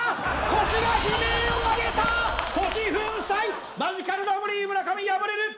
腰が悲鳴をあげた腰粉砕マヂカルラブリー村上敗れる！